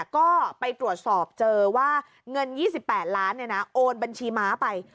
ก็ไปตรวจสอบเจอว่าเงิน๒๘ล้านโอนบัญชีม้าไป